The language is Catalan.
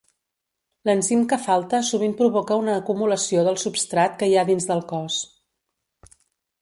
L'enzim que falta sovint provoca una acumulació del substrat que hi ha dins del cos.